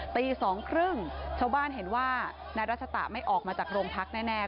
ตี๒๓๐ชาวบ้านเห็นว่านายรัชตะไม่ออกมาจากโรงพักแน่